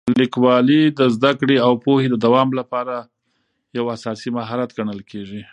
لیکوالی د زده کړې او پوهې د دوام لپاره یو اساسي مهارت ګڼل کېږي.